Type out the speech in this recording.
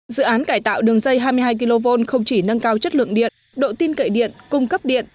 dự án cải tạo đường dây hai mươi hai kv không chỉ nâng cao chất lượng điện độ tin cậy điện cung cấp điện